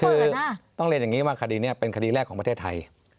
คือต้องเรียนอย่างนี้ว่าคดีนี้เป็นคดีแรกของประเทศไทย